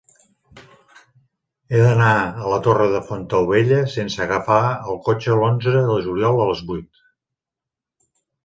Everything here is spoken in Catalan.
He d'anar a la Torre de Fontaubella sense agafar el cotxe l'onze de juliol a les vuit.